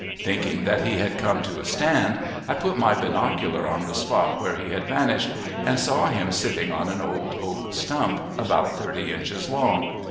Thinking that he had come to a stand I put my binocular on the spot where he had vanished, and saw him sitting on an old oak stump about thirty inches long.